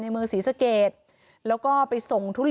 มีเรื่องอะไรมาคุยกันรับได้ทุกอย่าง